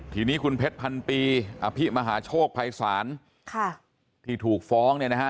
ทีนี้คุณเพชรพันปีอภิมหาโชคภัยศาลค่ะที่ถูกฟ้องเนี่ยนะฮะ